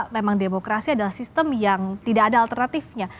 memang demokrasi adalah sistem yang tidak ada alternatifnya